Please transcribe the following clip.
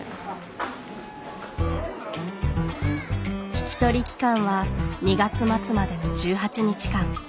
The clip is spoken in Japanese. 引き取り期間は２月末までの１８日間。